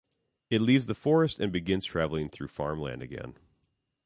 It leaves the forest and begins traveling through farmland again.